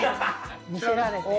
「魅せられて」。